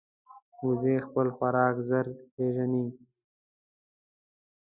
وزې خپل خوراک ژر پېژني